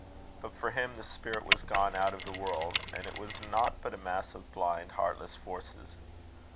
But for him the spirit was gone out of the world, and it was nought but a mass of blind, heartless forces.